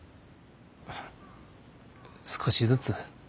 少しずつ。